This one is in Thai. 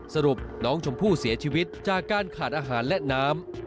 สรุปน้องชมพู่เสียชีวิตจากการขาดอาหารและน้ำ